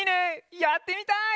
やってみたい！